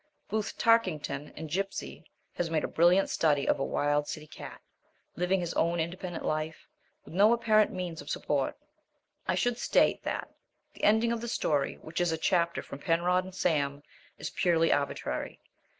Booth Tarkington in Gipsy has made a brilliant study of a wild city cat, living his own independent life with no apparent means of support. I should state that the ending of the story, which is a chapter from Penrod and Sam, is purely arbitrary.